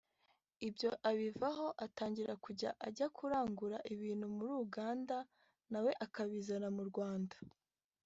ibyo abivaho atangira kujya ajya kurangura ibintu muri Uganda nawe akabizana mu Rwanda